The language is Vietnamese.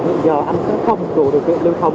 hiện giờ anh cũng không đủ điều kiện lưu thông